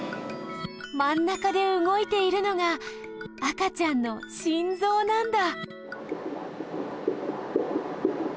まん中でうごいているのが赤ちゃんの心ぞうなんだ